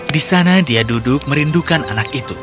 di sana dia duduk merindukan anak itu